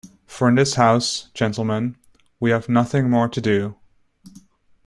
For in this house, gentlemen, we have nothing more to do.